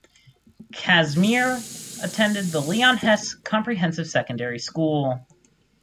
Casimir attended the Leon Hess Comprehensive Secondary School.